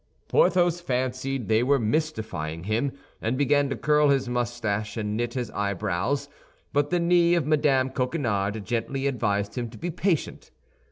Porthos fancied they were mystifying him, and began to curl his mustache and knit his eyebrows; but the knee of Mme. Coquenard gently advised him to be patient.